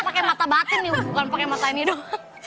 pakai mata batin bukan pakai mata hidung